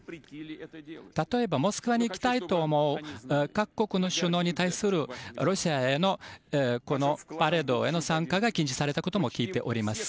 例えばモスクワに行きたいと思う各国の首脳に対するロシアへのパレードへの参加が禁止されたことも聞いております。